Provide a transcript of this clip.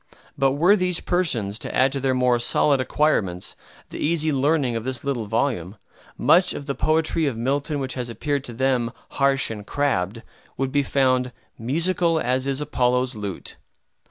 But were these persons to add to their more solid acquirements the easy learning of this little volume, much of the poetry of Milton which has appeared to them "harsh and crabbed" would be found "musical as is Apollo's lute."